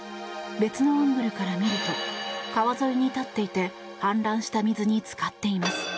別のアングルから見ると川沿いに立っていて氾濫した水に浸かっています。